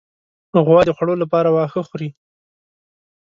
غوا د خوړو لپاره واښه خوري.